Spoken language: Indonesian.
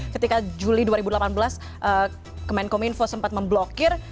ketika juli dua ribu delapan belas kemenkominfo sempat memblokir